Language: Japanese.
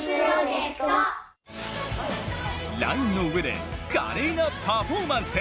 ラインの上で華麗なパフォーマンス。